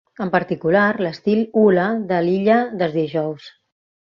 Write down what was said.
En particular, l'estil "hula" de l'illa dels Dijous.